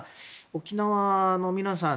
沖縄の皆さん